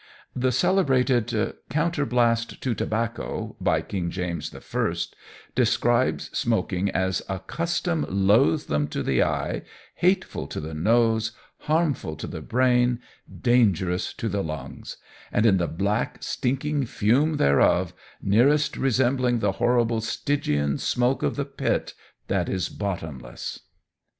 The celebrated Counterblaste to Tobacco, by King James I, describes smoking as "a custom loathsome to the eye, hatefull to the nose, harmfull to the brain, dangerous to the lungs; and in the black, stinking fume thereof, nearest resembling the horrible Stygian smoake of the pit that is bottomlesse."